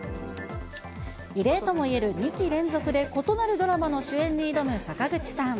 異例ともいえる２期連続で異なるドラマの主演に挑む坂口さん。